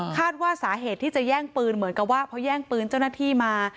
คาดว่าสาเหตุที่จะแย่งปืนเหมือนกับว่าพอแย่งปืนเจ้าหน้าที่มา